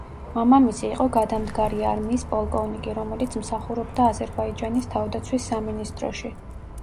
მამამისი იყო გადამდგარი არმიის პოლკოვნიკი, რომელიც მსახურობდა აზერბაიჯანის თავდაცვის სამინისტროში.